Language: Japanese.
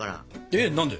えっ何で？